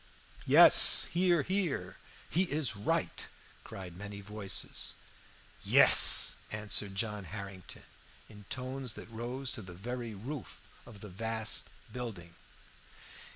"Yes. Hear, hear! He is right!" cried many voices. "Yes," answered John Harrington, in tones that rose to the very roof of the vast building.